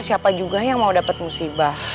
siapa juga yang mau dapat musibah